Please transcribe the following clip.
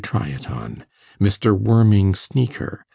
TRY IT ON! Mr. Worming Sneaker